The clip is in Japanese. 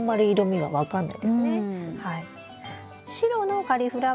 はい。